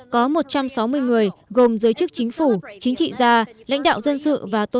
có một trăm sáu mươi người gồm giới chức chính phủ chính trị gia lãnh đạo dân sự